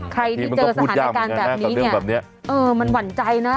ใครที่เจอสถานการณ์แบบนี้เนี่ยเออมันหวั่นใจนะ